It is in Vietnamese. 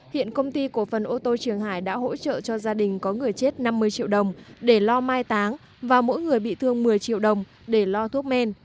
hiện công ty cổ phần ô tô trường hải đã hỗ trợ cho gia đình có người chết năm mươi triệu đồng để lo mai táng và mỗi người bị thương một mươi triệu đồng để lo thuốc men